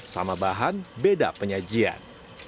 sama bahan beda penyajian